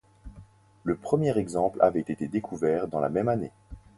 Le premier exemple avait été découvert dans la même année.